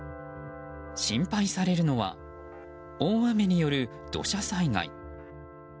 心配されるのは大雨による土砂災害。